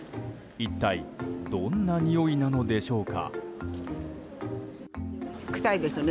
一体、どんなにおいなのでしょうか。